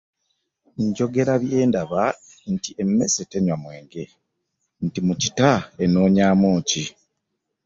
Njogera bye ndaba, nti emmese tenywa mwenge, nti mu kita enoonyaamu ki?